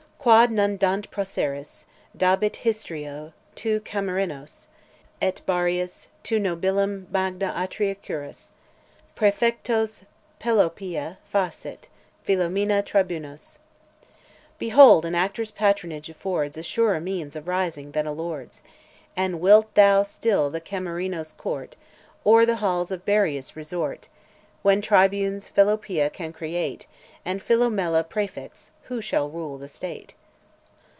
Quod non dant proceres, dabit histrio, tu Camerinos, Et Bareas, tu nobilium magna atria curas. Praefectos Pelopea facit, Philomela tribunos. Behold an actor's patronage affords A surer means of rising than a lord's! And wilt thou still the Camerino's court, Or to the halls of Bareas resort, When tribunes Pelopea can create And Philomela praefects, who shall rule the state?